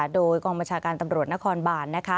โดยกองบชาการตำรวจนครบาน